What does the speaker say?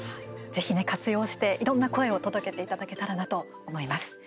ぜひね、活用していろんな声を届けていただけたらなと思います。